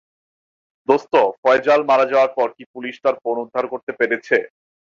দোস্ত, ফয়জাল মারা যাওয়ার পর কী পুলিশ তার ফোন উদ্ধার করতে পেরেছে?